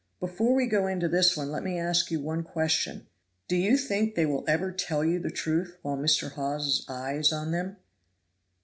Before we go in to this one let me ask you one question: Do you think they will ever tell you the truth while Mr. Hawes's eye is on them?"